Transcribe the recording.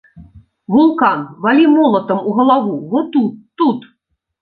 Вулкан, валі молатам у галаву во тут, тут!